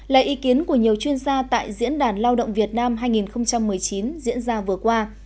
là ý kiến của nhiều chuyên gia tại diễn đàn lao động việt nam hai nghìn một mươi chín diễn ra vừa qua